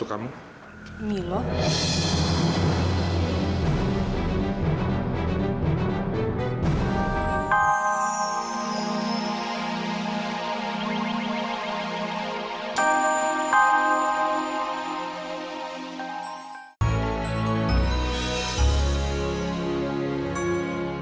apakah kamu merasa memperkenalkan said atau menyingkirkan miranda